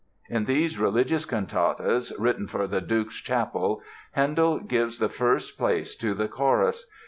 In these religious cantatas, written for the Duke's chapel, Handel gives the first place to the chorus....